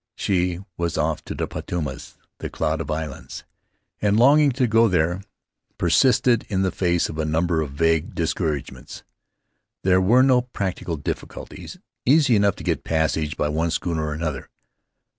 She was off to the Paumotus, the Cloud of Islands, and a longing to go there persisted in the face of a number of vague discouragements. There were no practical difficulties. Easy enough to get passage by one schooner or another.